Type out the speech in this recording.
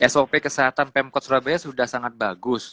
sop kesehatan pemkot surabaya sudah sangat bagus